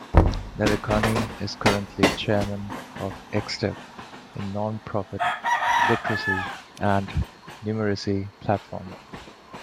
Nilekani is currently chairman of EkStep, a non-profit literacy and numeracy platform.